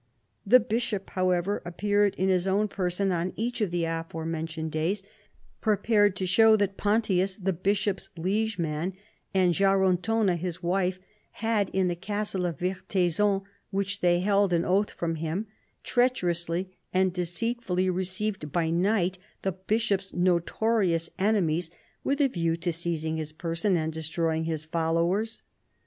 The bishop, however, appeared in his own person on each of the aforementioned days, prepared to show that Pontius the bishop's liege man and Jarentona his wife had in the castle of Vertaizon, which they held on oath from him, treacherously and deceitfully received by night the bishop's notorious enemies with a view to seizing his person and destroying his followers.